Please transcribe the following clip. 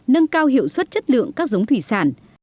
nâng cao hiệu suất chất lượng các giống thủy sản